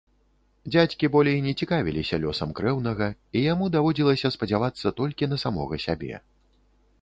Дзядзькі болей не цікавіліся лёсам крэўнага, і яму даводзілася спадзявацца толькі на самога сябе.